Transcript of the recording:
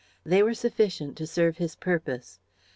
They were sufficient to serve his purpose.